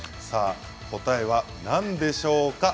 答えは何でしょうか。